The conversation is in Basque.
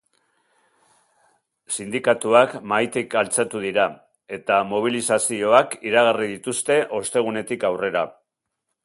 Sindikatuak mahaitik altxatu dira eta mobilizazioak iragarri dituzte ostegunetik aurrera.